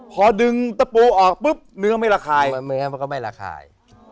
พอดึงตะปูออกปุ๊บเนื้อไม่ระคายเนื้อมันก็ไม่ระคาย